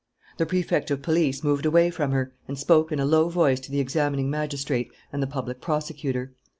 The Prefect of Police moved away from her and spoke in a low voice to the examining magistrate and the public prosecutor.